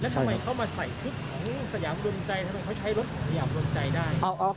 แล้วทำไมเขามาใส่ทึกของสยามรุมใจแล้วต้องใช้รถของสยามรุมใจได้